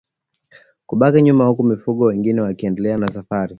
Kubaki nyuma huku mifugo wengine wakiendelea na safari